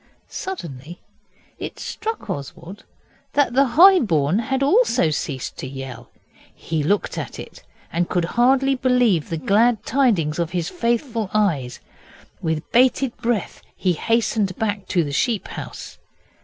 Suddenly it struck Oswald that the High born also had ceased to yell. He looked at it, and could hardly believe the glad tidings of his faithful eyes. With bated breath he hastened back to the sheep house.